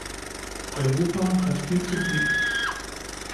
Europa hat viel zu bieten.